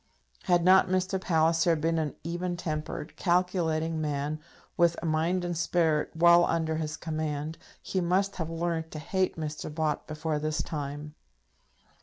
Had not Mr. Palliser been an even tempered, calculating man, with a mind and spirit well under his command, he must have learned to hate Mr. Bott before this time.